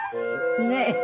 ねえ。